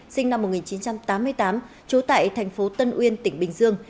sinh năm một nghìn chín trăm tám mươi tám trú tại thành phố tân uyên tỉnh bình dương